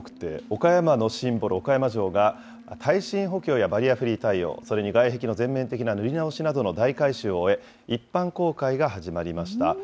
岡山のシンボル、岡山城が耐震補強やバリアフリー対応、それに外壁の全面的な塗り直しなどの大改修を終え、一般公開が始まりました。